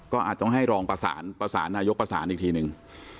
ก็อาจต้องให้รองประสานประสานนายกประสานอีกทีหนึ่ง